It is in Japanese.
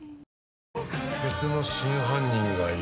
「別の真犯人がいる」